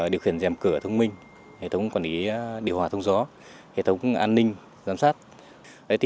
điều khiển dèm cửa thông minh hệ thống quản lý điều hòa thông gió hệ thống an ninh giám sát